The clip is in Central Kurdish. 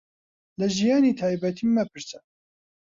لە ژیانی تایبەتیم مەپرسە.